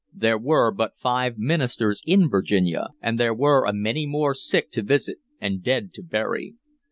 There were but five ministers in Virginia, and there were a many more sick to visit and dead to bury.